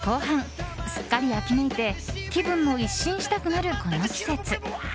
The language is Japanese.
１０月も後半、すっかり秋めいて気分も一新したくなるこの季節。